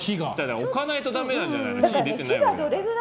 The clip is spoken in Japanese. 置かないとだめなんじゃない？